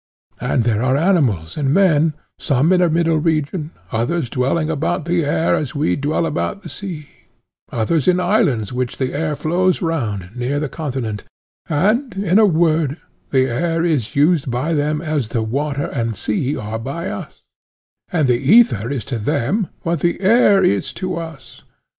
And there are animals and men, some in a middle region, others dwelling about the air as we dwell about the sea; others in islands which the air flows round, near the continent: and in a word, the air is used by them as the water and the sea are by us, and the ether is to them what the air is to us.